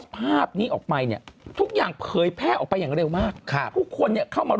ภาพเนี่ยเป็นคนหรืออะไรเหรอ